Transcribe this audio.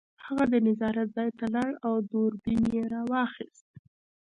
هغه د نظارت ځای ته لاړ او دوربین یې راواخیست